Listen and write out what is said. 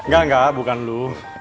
gak gak bukan lu